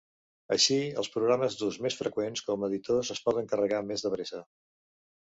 Així, els programes d'ús més freqüent com a editors es poden carregar més de pressa.